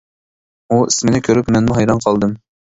ئۇ ئىسىمنى كۆرۈپ مەنمۇ ھەيران قالدىم.